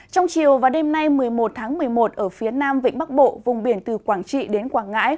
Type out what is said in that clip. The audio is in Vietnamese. trong chiều và đêm nay một mươi một tháng một mươi một ở phía nam vĩnh bắc bộ vùng biển từ quảng trị đến quảng ngãi